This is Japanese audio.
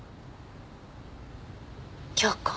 京子。